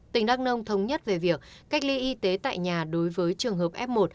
tỉnh đắk nông thống nhất về việc cách ly y tế tại nhà đối với trường hợp f một